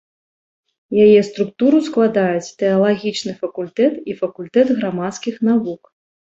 Яе структуру складаюць тэалагічны факультэт і факультэт грамадскіх навук.